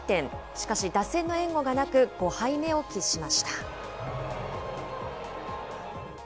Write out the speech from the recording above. しかし、打線の援護がなく、５敗目を喫しました。